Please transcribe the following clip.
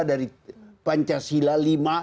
dari pancasila v